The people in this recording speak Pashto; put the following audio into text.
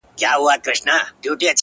• پیدا کړي خدای له اصله ظالمان یو,